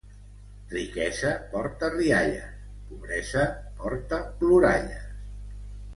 Riquesa porta rialles, pobresa porta ploralles.